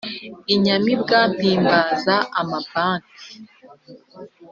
inyamibwa mpimbaza amabanki,